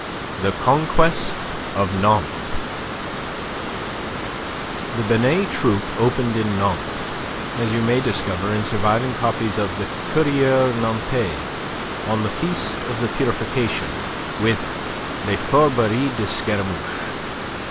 THE CONQUEST OF NANTES The Binet Troupe opened in Nantes as you may discover in surviving copies of the "Courrier Nantais" on the Feast of the Purification with "Les Fourberies de Scaramouche."